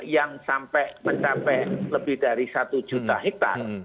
yang sampai mencapai lebih dari satu juta hektare